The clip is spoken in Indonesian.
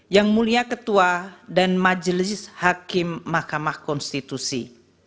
yang mulia ketua dan majelis hakim mahkamah konstitusi